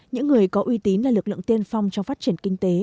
những người có uy tín là lực lượng tiên phong trong phát triển kinh tế